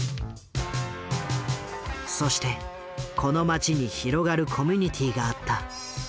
そしてこの街に広がるコミュニティーがあった。